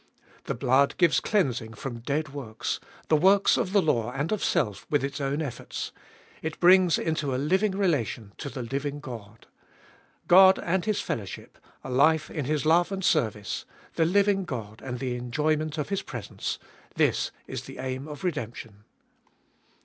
The blood gives cleansing from dead works, the works of the law and of self, with its own efforts ; it brings into a living relation to the living God. God and His fellow ship, a life in His love and service, the living God and the enjoyment of His presence, — this is the aim of redemption.